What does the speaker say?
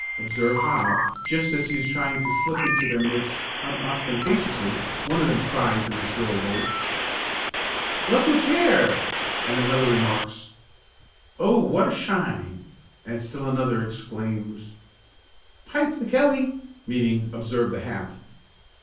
Observe how, just as he is trying to slip into their midst unostentatiously, one of them cries in a shrill voice: "Look who's here!" and another remarks: "Oh, what a shine!" and still another exclaims: "Pipe the kelly!" meaning, observe the hat.